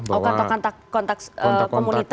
oh kata kata kontak komunitas gitu ya